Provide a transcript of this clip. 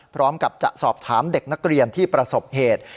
พร้อมกับจะสอบถามเด็กนักเรียนที่ประสบเหตุ